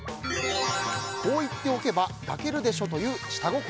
「こう言っておけば抱けるでしょ」という下心。